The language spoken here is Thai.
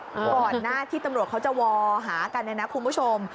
ก่อนหน้าที่ตำรวจเขาจะวอลหากันเนี่ยนะคุณผู้ชม